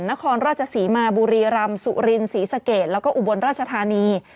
นครราชศรีมาบุรีรำสุรินศรีสะเกดแล้วก็อุบลราชธานี